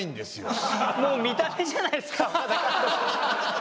もう見た目じゃないですか岡田監督。